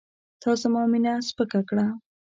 تا زما مینه سپکه کړه.